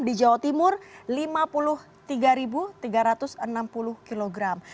di jawa timur lima puluh tiga tiga ratus enam puluh kilogram